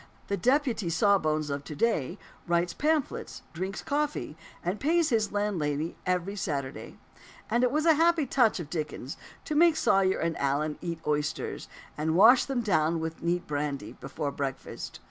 The "deputy sawbones" of to day writes pamphlets, drinks coffee, and pays his landlady every Saturday. And it was a happy touch of Dickens to make Sawyer and Allen eat oysters, and wash them down with neat brandy, before breakfast.